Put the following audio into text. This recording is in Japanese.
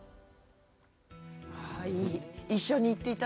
いい。